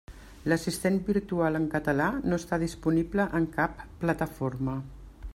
L'assistent virtual en català no està disponible en cap plataforma.